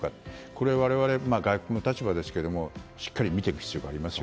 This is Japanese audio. これは我々、外国の立場ですがしっかり見ていく必要があります。